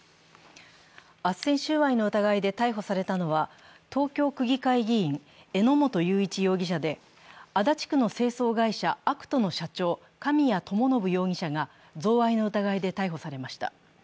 あっせん収賄の疑いで逮捕されたのは、東京区議会議員、榎本雄一容疑者で足立区の清掃会社、アクトの社長神谷知伸容疑者が贈賄の疑いで逮捕されました。